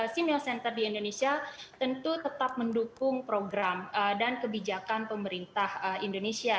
simeo center di indonesia tentu tetap mendukung program dan kebijakan pemerintah indonesia